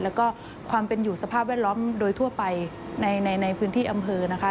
แล้วก็ความเป็นอยู่สภาพแวดล้อมโดยทั่วไปในพื้นที่อำเภอนะคะ